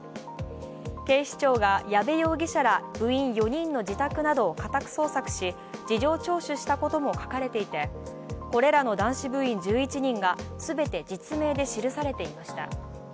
警視庁が矢部容疑者ら部員４人の自宅などを家宅捜索し事情聴取したことも書かれていて、これらの男子部員１１人が全て実名で記されていました。